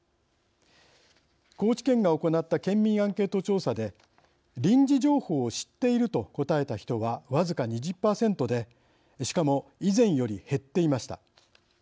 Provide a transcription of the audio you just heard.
高知県が行った県民アンケート調査で「臨時情報を知っている」と答えた人は僅か２０％でしかも以前より減っていました。